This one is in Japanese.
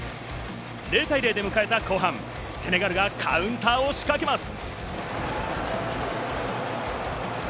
０対０で出迎えた後半、セネガルがカウンターを仕掛けます。